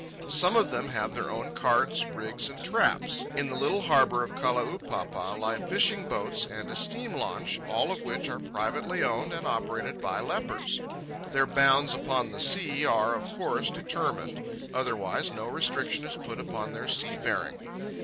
Some of them have their own carts, rigs, and traps. In the little harbour of Kalaupapa lie fishing boats and a steam launch, all of which are privately owned and operated by lepers. Their bounds upon the sea are, of course, determined: otherwise no restriction is put upon their sea faring.